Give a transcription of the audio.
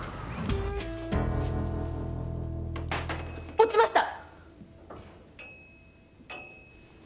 落ちました！